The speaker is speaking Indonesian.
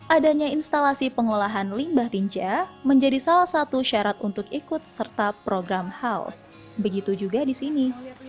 adanya instalasi pengolahan limbah tinja menjadi salah satu syarat untuk ikut serta program house begitu juga di sini